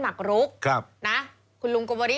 หมักรุกนะคุณลุงกบดี้